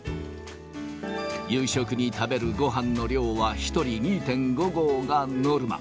夕食に食べるごはんの量は、１人２．５合がノルマ。